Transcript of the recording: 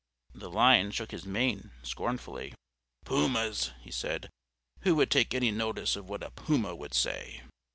The Lion shook his mane scornfully. "Pumas!" he said. "Who would take any notice of what a puma would say?